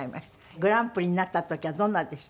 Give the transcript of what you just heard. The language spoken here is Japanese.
グランプリになった時はどんなでした？